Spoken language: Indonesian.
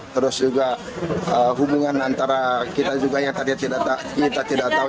terus juga hubungan antara kita juga yang tadi kita tidak tahu